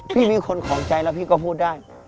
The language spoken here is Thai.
มีคนของใจแล้วพี่ก็พูดได้